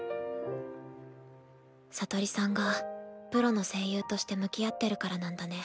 聡里さんがプロの声優として向き合ってるからなんだね。